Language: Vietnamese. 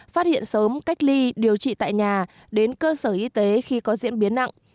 phát hiện sớm cách ly điều trị tại nhà đến cơ sở y tế khi có diễn biến nặng